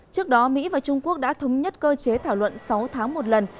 trước đó mỹ và trung quốc đã thống nhất cơ chế thảo luận sáu tháng một lần